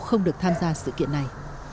không được tham gia sự kiện này